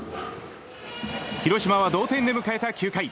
広島は同点で迎えた９回。